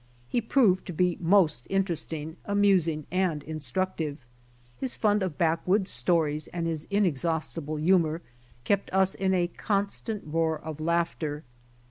He proved to be most interesting, amusing and in structive. His fund of back woods stories and his inexhaustible humor kept us in a constant roar of laughter.